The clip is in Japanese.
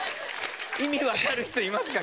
意味わかる人いますか？